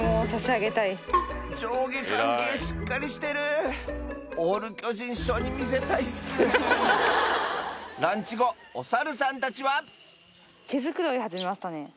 上下関係しっかりしてるオール巨人師匠に見せたいっすランチ後おサルさんたちは毛づくろい始めましたね。